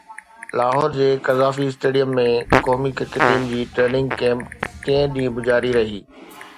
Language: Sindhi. لاهور جي قذافي اسٽيڊيم ۾ قومي ڪرڪيٽ ٽيم جي ٽريننگ ڪيمپ ٽئين ڏينهن به جاري رهي